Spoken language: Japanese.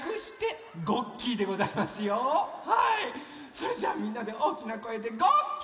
それじゃあみんなでおおきなこえでごっき！